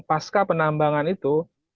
pasca penambangan itu